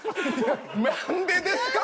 何でですか？